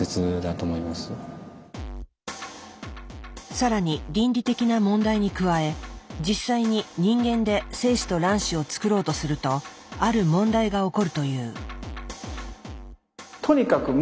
更に倫理的な問題に加え実際に人間で精子と卵子を作ろうとするとある問題が起こるという。